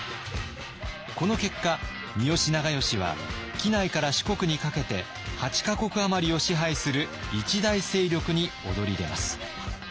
この結果三好長慶は畿内から四国にかけて８か国余りを支配する一大勢力に躍り出ます。